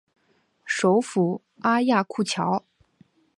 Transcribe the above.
首府阿亚库乔。